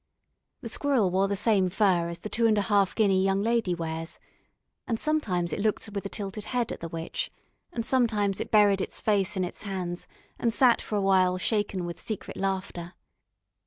The squirrel wore the same fur as the two and a half guinea young lady wears, and sometimes it looked with a tilted head at the witch, and sometimes it buried its face in its hands and sat for a while shaken with secret laughter.